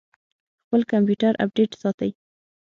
خپل کمپیوټر اپډیټ ساتئ؟